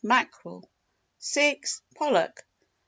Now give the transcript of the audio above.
Mackerel 6. Pollock 7.